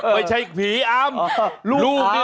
ไม่ใช่ผีอำลูกนี่